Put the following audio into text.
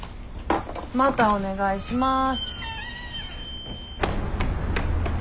またお願いします。